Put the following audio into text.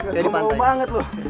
gak mau banget lo